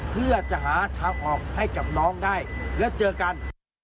เพื่อจะหาทางออกให้กับน้องได้และเจอกัน